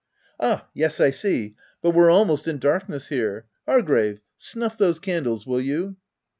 " Ah ! yes, I see, but we're almost in dark ness here. Hargrave, snuff those candles, will you?"